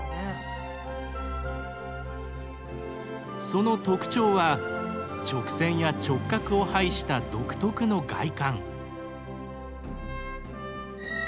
その特徴は直線や直角を排した独特の外観。